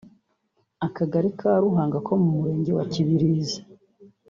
akagari ka Ruhunga ko mu murenge wa kibirizi